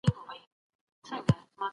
هغه د خپلو فرضيو د آزموينې هڅه وکړه.